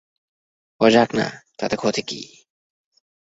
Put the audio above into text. ও যাক-না, তাতে ক্ষতি কী?